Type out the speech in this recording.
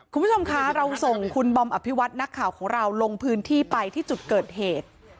คุณผู้ชมคะเราส่งคุณบอมอภิวัตินักข่าวของเราลงพื้นที่ไปที่จุดเกิดเหตุ